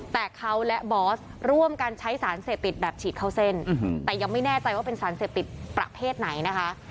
แต่เขาและบอสร่วมกันใช้สารเสพติดแบบฉีดเข้าเส้นแต่ยังไม่แน่ใจว่าเป็นสารเสพติดประเภทไหนนะคะ